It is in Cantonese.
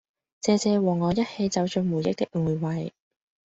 謝謝和我一起走進回憶的每位